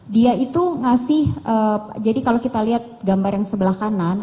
dia itu ngasih jadi kalau kita lihat gambar yang sebelah kanan